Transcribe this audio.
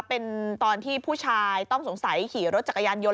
เป็นตอนที่ผู้ชายต้องสงสัยขี่รถจักรยานยนต